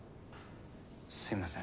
すみません。